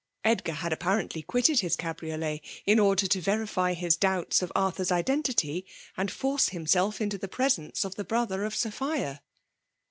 Edgar had ap parently quitted his cabriolet in order to verify his doubts of Arthur's identity^ and force himself into the presence of the brother of Sophia.